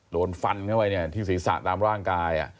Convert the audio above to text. โดนฟันเข้าไปเนี่ยที่ศีรษะตามร่างกาย